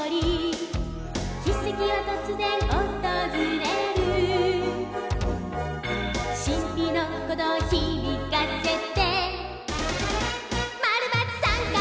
「奇跡はとつぜんおとずれる」「しんぴのこどうひびかせて」「○×△」